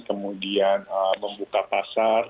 kemudian membuka pasar